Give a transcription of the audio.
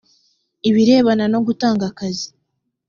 ibirebana no gutanga akazi